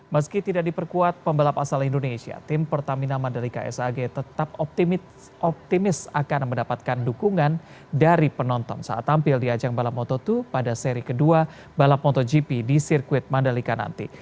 meski tidak diperkuat pembalap asal indonesia tim pertamina mandalika sag tetap optimis akan mendapatkan dukungan dari penonton saat tampil di ajang balap moto dua pada seri kedua balap motogp di sirkuit mandalika nanti